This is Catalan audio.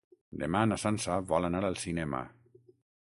Demà na Sança vol anar al cinema.